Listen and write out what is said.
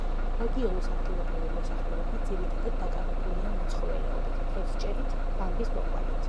რეგიონის ადგილობრივი მოსახლეობა ძირითადად დაკავებულია მეცხოველეობით, თევზჭერით, ბამბის მოყვანით.